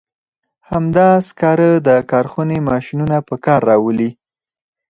همدا سکاره د کارخونې ماشینونه په کار راولي.